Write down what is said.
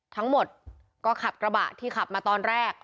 ทั้งหมดก็ขับกระบะที่ขับมาตอนแรก